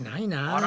あら！